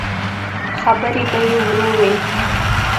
خبرې به يې ورو وې.